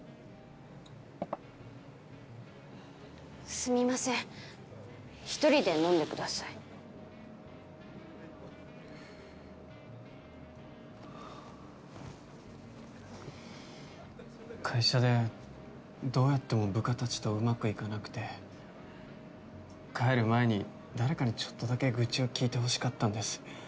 すみません１人で飲んでください会社でどうやっても部下たちとうまくいかなくて帰る前に誰かにちょっとだけ愚痴を聞いてほしかったんです